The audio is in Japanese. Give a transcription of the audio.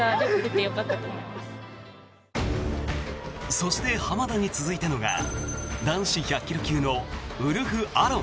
そして濱田に続いたのが男子１００ｋｇ級のウルフ・アロン。